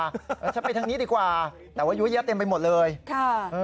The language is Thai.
แล้วฉันไปทางนี้ดีกว่าแต่ว่ายุ้ยเยอะเต็มไปหมดเลยค่ะ